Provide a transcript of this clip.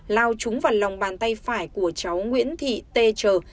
lao chúng vào lòng bàn tay phải của cháu nguyễn thị t tr